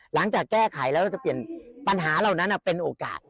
หลังจากแก้ไขแล้วเราจะเปลี่ยนปัญหาเหล่านั้นเป็นโอกาส